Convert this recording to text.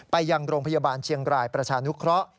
ไปยังโรงพยาบาลเชียงรายประชานุเคราะห์